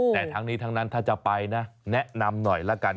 แต่ทั้งนี้ทั้งนั้นถ้าจะไปนะแนะนำหน่อยละกัน